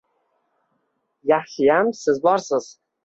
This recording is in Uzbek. Yaxshiyam Siz borsiz